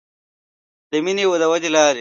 د مینې د ودې لارې